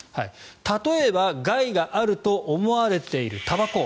例えば害があると思われているたばこ。